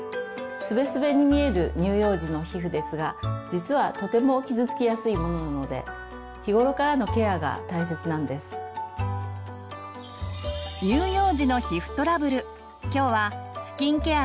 スベスベに見える乳幼児の皮膚ですが実はとても傷つきやすいものなので日頃からのケアが大切なんです。について。